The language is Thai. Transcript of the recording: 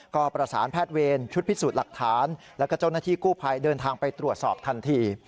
ก็ประสานแพทย์เวรชุดพิสูจน์หลักฐานแล้วก็เจ้าหน้าที่กู้ภัยเดินทางไปตรวจสอบทันที